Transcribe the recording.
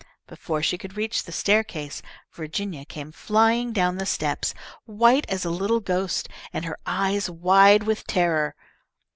Before she could reach the staircase, Virginia came flying down the steps, white as a little ghost, and her eyes wide with terror.